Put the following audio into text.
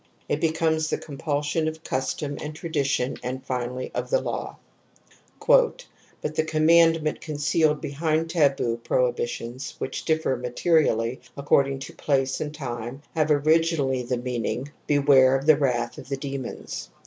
It becomes the compulsion of custom and tradition and finally of the law. '' But the commandment concealed behind taboo prohibitions which differ materially ac cording to place and time, had originally the meaning : Beware of the wrath of the demons."